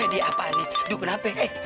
eh dia apaan nih